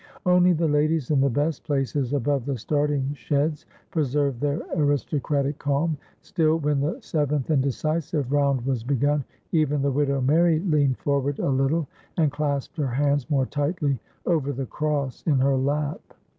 Only the ladies, jn the best places above the starting sheds, preserved their aristocratic calm; still, when the seventh and decisive round was begun, even the widow Mary leaned forward a little and clasped her hands more tightly over the cross in her lap.